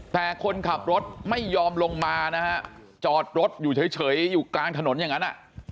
แต่คนขับรถไม่ยอมลงมานะฮะจอดรถอยู่เฉยอยู่กลางถนนอย่างนั้น